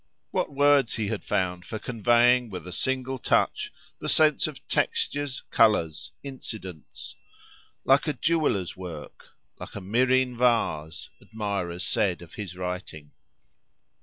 What words he had found for conveying, with a single touch, the sense of textures, colours, incidents! "Like jewellers' work! Like a myrrhine vase!"—admirers said of his writing.